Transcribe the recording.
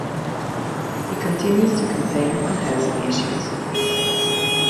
He continues to campaign on housing issues.